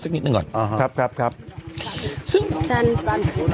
สักนิดหนึ่งก่อนครับครับครับ